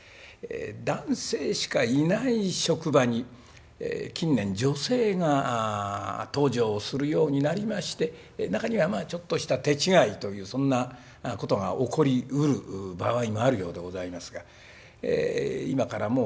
男性しかいない職場に近年女性が登場するようになりまして中にはちょっとした手違いというそんなことが起こりうる場合もあるようでございますが今からもう